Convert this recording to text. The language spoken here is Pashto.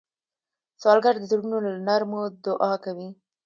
سوالګر د زړونو له نرمو دعا کوي